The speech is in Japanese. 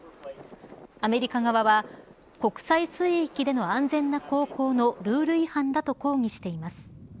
アメリカ側は国際水域での安全な航行のルール違反だと抗議しています。